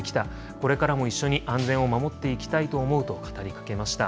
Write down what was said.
これからも一緒に安全を守っていきたいと思うと語りかけました。